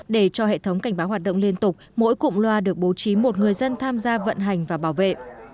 để cho hệ thống cảnh báo hoạt động liên tục mỗi cụm loa được bố trí một người dân tham gia vận hành và bảo vệ